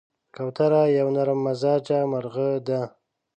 کوتره یو نرممزاجه مرغه ده.